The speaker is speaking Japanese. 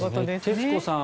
徹子さん